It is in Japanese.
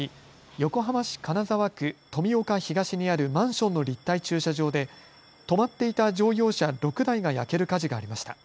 横浜市金沢区富岡東にあるマンションの立体駐車場で止まっていた乗用車６台が焼ける火事がありました。